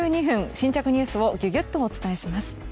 新着ニュースをギュギュッとお伝えします。